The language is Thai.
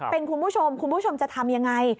เป็นคุณผู้ชมคุณผู้ชมจะทำยังไง